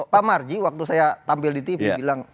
pak marji waktu saya tampil di tv bilang